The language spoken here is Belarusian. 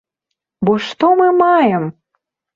Бо што мы маем?